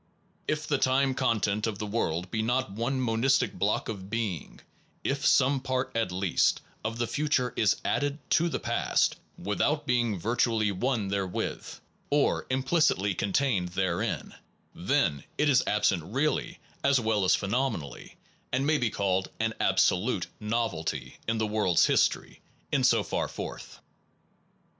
If the time content of the world be not one monistic block of being, if some part, at least, of the future, is added to the past without be ing virtually one therewith, or implicitly con tained therein, then it is absent really as well 144 THE ONE AND THE MANY as phenomenally and may be called an abso lute novelty in the world s history in so far forth.